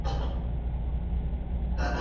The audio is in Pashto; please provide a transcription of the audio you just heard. تاسي باید په خپل هیواد وویاړئ.